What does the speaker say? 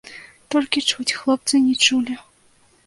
Толькі чуць хлопцы не чулі.